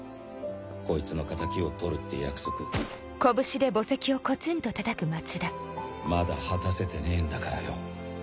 こいつの敵を取るって約束まだ果たせてねえんだからよ。